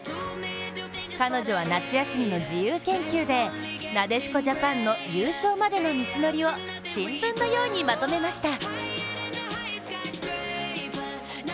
彼女は夏休みの自由研究でなでしこジャパンの優勝までの道のりを新聞のようにまとめました。